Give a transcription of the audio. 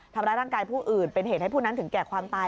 ทำร้ายร่างกายผู้อื่นเป็นเหตุให้ผู้นั้นถึงแก่ความตาย